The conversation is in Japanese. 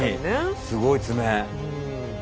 すごい爪。